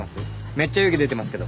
めっちゃ湯気出てますけど。